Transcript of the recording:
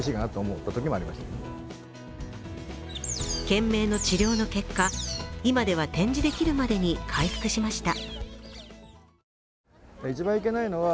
懸命の治療の結果、今では展示できるまでに回復しました。